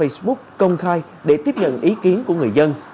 các trang facebook công khai để tiếp nhận ý kiến của người dân